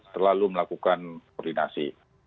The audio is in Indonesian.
selalu melakukan koordinasi